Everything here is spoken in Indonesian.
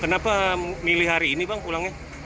kenapa milih hari ini bang pulangnya